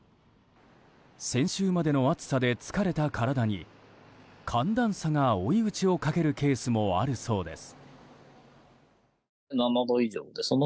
先週までの暑さで疲れた体に寒暖差が追い打ちをかけるケースもあるようです。